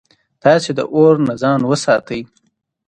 تاسي د اور نه ځان وساتئ